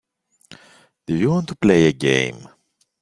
Do you want to play a game.